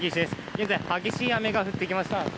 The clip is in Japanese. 現在激しい雨が降ってきました。